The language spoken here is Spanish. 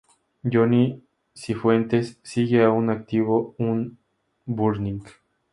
Johnny Cifuentes sigue aún en activo con Burning.